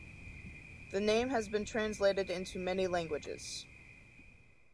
The name has been translated into many languages.